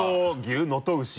能登牛？